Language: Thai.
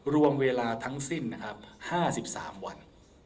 รวมเวลาทั้งสิ้น๕๓วัน